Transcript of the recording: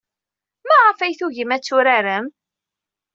Maɣef ay tugim ad turarem?